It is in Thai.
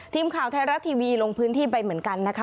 ทีมข่าวไทยรัฐทีวีลงพื้นที่ไปเหมือนกันนะคะ